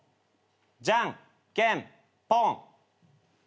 じゃんけんぽん。